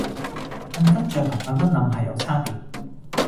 瞓得着同瞓得稔係有差別